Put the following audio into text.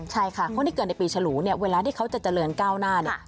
ใช่ค่ะคนที่เกิดในปีฉลูเนี่ยเวลาที่เขาจะเจริญก้าวหน้าเนี่ย